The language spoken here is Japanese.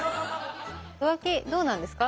浮気どうなんですか？